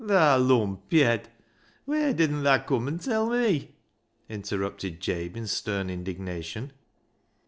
"Thaa lumpyed ! whey didn't thaa cum an' tell me?" interrupted Jabe in stern indignation.